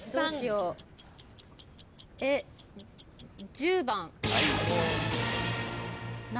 １０番。